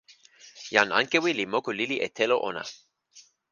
jan Ankewi li moku lili e telo ona.